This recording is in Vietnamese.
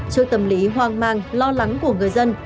trước tâm lý hoang mang lo lắng của người dân